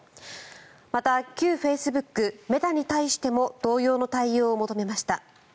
また、旧フェイスブックメタに対しても同様の対応を求めました。